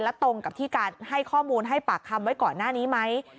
และตรงกับที่การให้ข้อมูลให้ปากคำไว้ก่อนหน้านี้ไหม